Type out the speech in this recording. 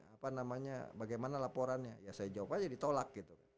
apa namanya bagaimana laporannya ya saya jawab aja ditolak gitu